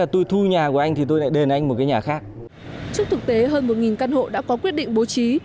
trước thực tế hơn một căn hộ đã có quyết định bố trí